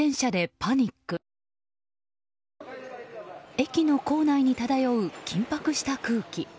駅の構内に漂う緊迫した空気。